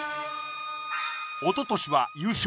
おととしは優勝